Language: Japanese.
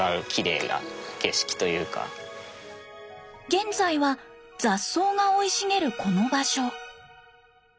現在は雑草が生い茂るこの場所。